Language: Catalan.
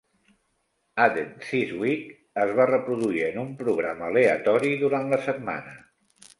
"Added This Week" es va reproduir en un programa aleatori durant la setmana.